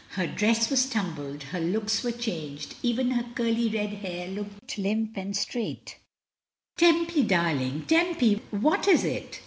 Her dress was tumbled, her looks were changed, even her curly red hair looked limp and straight "Tempy, darling — Tempy, what is it?